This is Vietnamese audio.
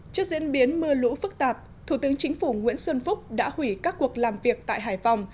trước diễn biến mưa lũ phức tạp thủ tướng chính phủ nguyễn xuân phúc đã hủy các cuộc làm việc tại hải phòng